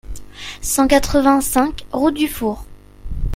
cent quatre-vingt-cinq route du Four